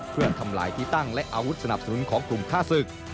เพื่อทำลายที่ตั้งและอาวุธสนับสนุนของกลุ่มฆ่าศึก